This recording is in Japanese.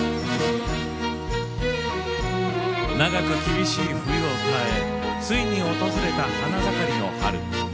長く厳しい冬を耐えついに訪れた花盛りの春。